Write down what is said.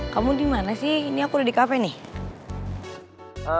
kamu dimana sih ini aku udah di kafe nih